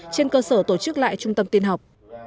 trên cơ sở tổ chức lại trung tâm tiên học